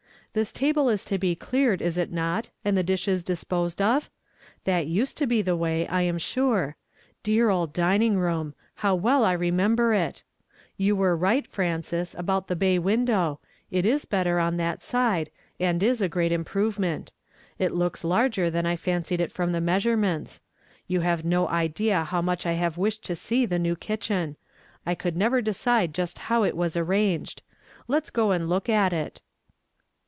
This table is to be elearcd, is it not, and the dislios disposed of? That used to be the way, I am sure. Dear old dining room ! how well I remember it. You were rigiit, 1*' ranees, about the bay window ; it is better on that side, and is a great im[)rovement. It looks larger than 1 fancied it from the measurements. You have no idea how nuich I hiive wished to see the new kitchen ; I could never decide just how it was arranged. Let us go and look at it."